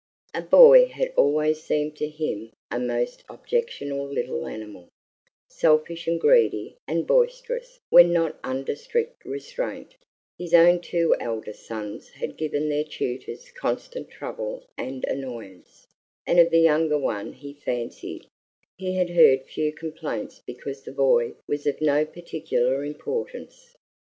A boy had always seemed to him a most objectionable little animal, selfish and greedy and boisterous when not under strict restraint; his own two eldest sons had given their tutors constant trouble and annoyance, and of the younger one he fancied he had heard few complaints because the boy was of no particular importance.